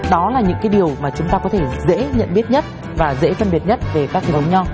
đó là những cái điều mà chúng ta có thể dễ nhận biết nhất và dễ phân biệt nhất về các cái giống nho